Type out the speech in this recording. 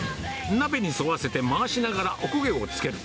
鍋に沿わせて回しながらおこげをつける。